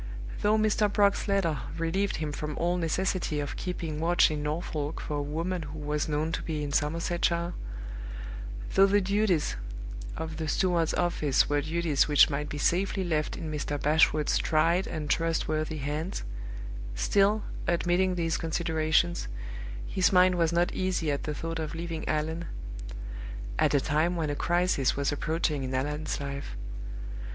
Though Mr. Brock's letter relieved him from all necessity of keeping watch in Norfolk for a woman who was known to be in Somersetshire; though the duties of the steward's office were duties which might be safely left in Mr. Bashwood's tried and trustworthy hands still, admitting these considerations, his mind was not easy at the thought of leaving Allan, at a time when a crisis was approaching in Allan's life.